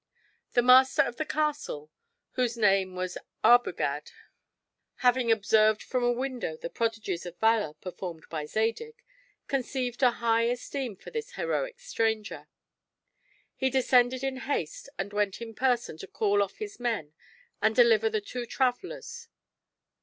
The master of the castle, whose name was Arbogad, having observed from a window the prodigies of valor performed by Zadig, conceived a high esteem for this heroic stranger. He descended in haste and went in person to call off his men and deliver the two travelers.